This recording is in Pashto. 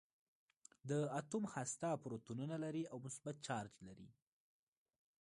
د اتوم هسته پروتونونه لري او مثبت چارج لري.